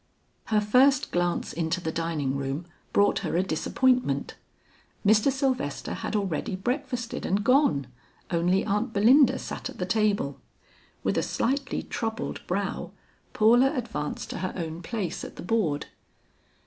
Her first glance into the dining room brought her a disappointment. Mr. Sylvester had already breakfasted and gone; only Aunt Belinda sat at the table. With a slightly troubled brow, Paula advanced to her own place at the board.